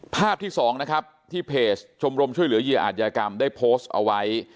ภาพที่๒นะครับที่เพจชมรมช่วยเหลือเหยื่ออาจยากรรมได้โพสต์เอาไว้